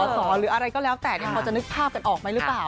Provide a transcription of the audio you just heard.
หรืออะไรก็แล้วแต่พอจะนึกภาพกันออกไหมหรือเปล่า